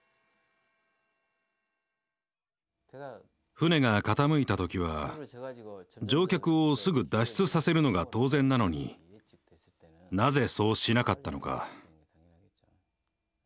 船が傾いた時は乗客をすぐ脱出させるのが当然なのになぜそうしなかったのか。